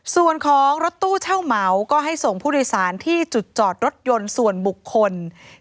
ส่วนของรถตู้เช่าเหมาก็ให้ส่งผู้โดยสารที่จุดจอดรถยนต์ส่วนบุคคล